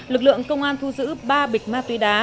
lực lượng công an thu giữ ba bịch ma túy đá